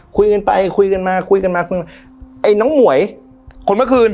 คุยกันไปคุยกันมาคุยกันมาคุยไอ้น้องหมวยคนเมื่อคืน